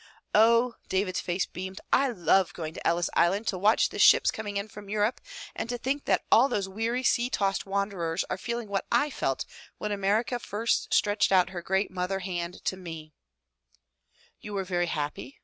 "Oh," David's face beamed, "I love going to Ellis Island to watch the ships coming in from Europe and to think that all those weary, sea tossed wanderers are feeling what I felt when America first stretched out her great mother hand to me J' "You were very happy?"